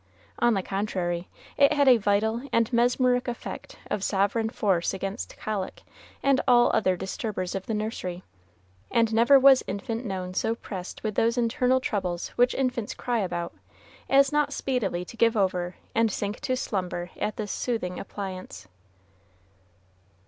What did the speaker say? On the contrary, it had a vital and mesmeric effect of sovereign force against colic, and all other disturbers of the nursery; and never was infant known so pressed with those internal troubles which infants cry about, as not speedily to give over and sink to slumber at this soothing appliance.